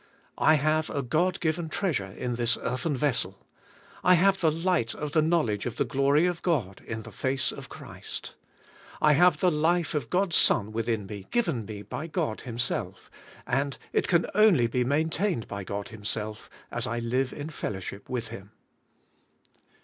I have a God given treasure in this earthen vessel. I have the light of the knowledge of the glory of God in the face of Christ. I have the life of God's Son within me given me by God Him self, and it can only be maintained by God Him self as I live in fellowship with Him.